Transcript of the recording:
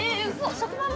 食パンも？